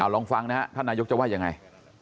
ลองฟังนะครับท่านนายกจะว่ายังไง